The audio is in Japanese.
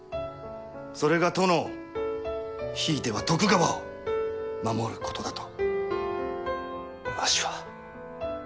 それが殿をひいては徳川を守ることだと。